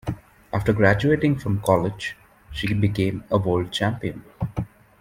After graduating from college, she became a world champion.